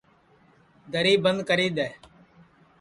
دری بند کری دؔے